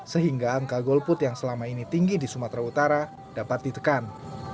sehingga angka golput yang selama ini tinggi di sumatera utara dapat ditekan